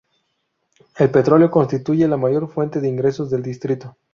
El petróleo constituye la mayor fuente de ingresos del distrito.